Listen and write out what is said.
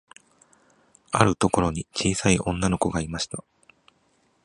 あるところに、ちいさい女の子がいました。